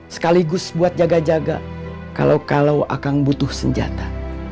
sekaligus buat jaga jaga kalau kalau akang butuh senjata